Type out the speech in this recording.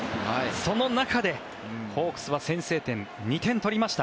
その中でホークスは先制点２点取りました。